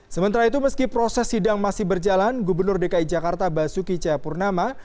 sementara itu meski proses sidang masih berjalan gubernur dki jakarta basuki cahayapurnama